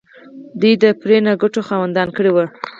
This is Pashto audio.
دوی د پرې نه ګټو خاوندان کړي وو.